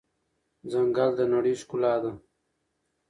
ځنګل د نړۍ ښکلا ده.